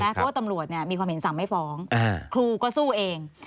เพราะว่าตำรวจมีความเห็นสั่งไม่ฟ้องครูก็สู้เอง